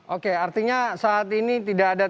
oke artinya saat ini tidak ada